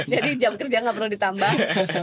jadi jam kerja gak perlu ditambah